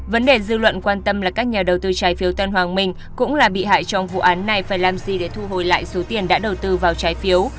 vấn đề dư luận quan tâm là các nhà đầu tư trái phiếu tân hoàng minh cũng là bị hại trong vụ án này phải làm gì để thu hồi lại số tiền đã đầu tư vào trái phiếu